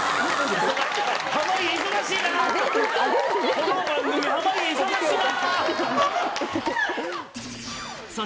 この番組濱家忙しいな！